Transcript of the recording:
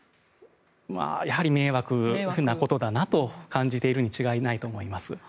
やはり迷惑なことだなと感じているに違いないと思います。